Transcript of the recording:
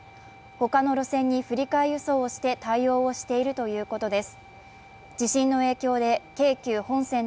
他の路線に振り替え輸送をして対応をしているということです。